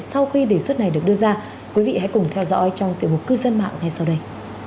sau khi đề xuất này được đưa ra quý vị hãy cùng theo dõi trong tiểu mục cư dân mạng ngay sau đây